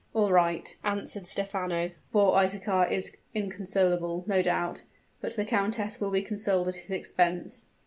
"All right!" answered Stephano. "Poor Isaachar is inconsolable, no doubt; but the countess will be consoled at his expense.